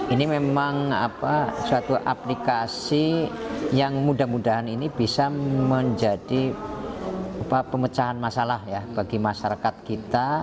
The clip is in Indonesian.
ini memang suatu aplikasi yang mudah mudahan ini bisa menjadi pemecahan masalah ya bagi masyarakat kita